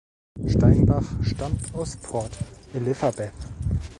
Steinbach stammt aus Port Elizabeth.